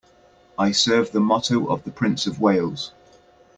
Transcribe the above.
I serve the motto of the Prince of Wales.